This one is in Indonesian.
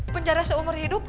penjara seumur hidup